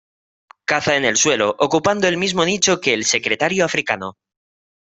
Caza en el suelo, ocupando el mismo nicho que el "secretario africano".